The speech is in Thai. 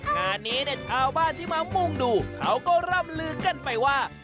งานนี้เนี่ยชาวบ้านที่มามุ่งดูเขาก็ร่ำลือกันไปว่า